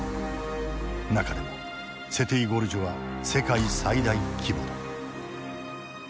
中でもセティ・ゴルジュは世界最大規模だ。